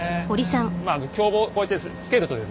響棒をこうやって付けるとですね